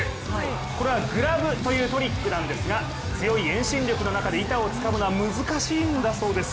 これはグラブというトリックですが強い遠心力の中で板をつかむのは難しいんだそうです。